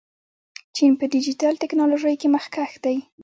چین په ډیجیټل تکنالوژۍ کې مخکښ دی.